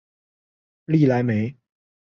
利莱梅。